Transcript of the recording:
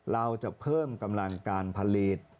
เราจะเพิ่มกำลังการผลิต